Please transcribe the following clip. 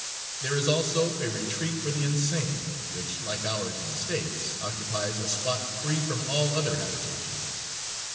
There is also a retreat for the insane, which, like ours in the States, occupies a spot free from all other habitations.